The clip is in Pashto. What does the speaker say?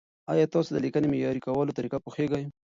ایا تاسو د لیکنې معیاري کولو طریقه پوهېږئ؟